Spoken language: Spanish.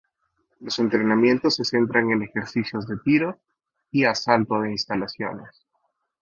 Los entrenamientos se centran en ejercicios de tiro y asalto de instalaciones.